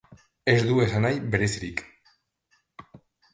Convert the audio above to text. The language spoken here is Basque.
Ez du esanahi berezirik.